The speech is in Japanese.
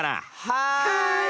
はい！